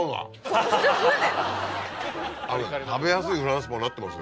食べやすいフランスパンになってますよ。